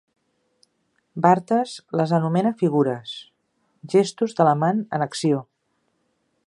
Barthes les anomena "figures": gestos de l'amant en acció.